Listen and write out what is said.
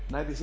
nah di sini